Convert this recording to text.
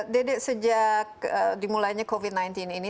dede sejak dimulainya covid sembilan belas ini